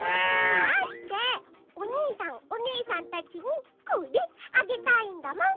だっておにいさんおねえさんたちにこれあげたいんだもん。